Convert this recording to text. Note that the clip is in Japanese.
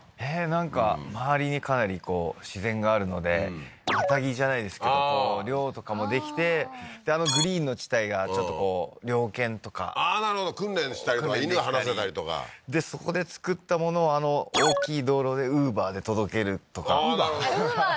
なんか周りにかなり自然があるのでマタギじゃないですけど猟とかもできてであのグリーンの地帯がちょっとこう猟犬とかああーなるほど訓練したりとか犬放せたりとかでそこで作ったものをあの大きい道路でＵｂｅｒで届けるとかＵｂｅｒ？